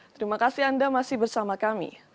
terima kasih anda masih bersama kami